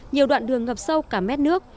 nhiều đoạn đường ngập sâu cả mét nước